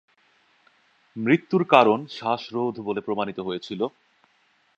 মৃত্যুর কারণ শ্বাসরোধ বলে প্রমাণিত হয়েছিল।